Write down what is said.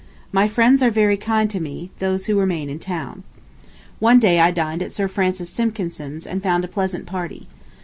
My friends are very kind to me—those who remain in town. ... One day I dined at Sir Francis Simpkinson's and found a pleasant party.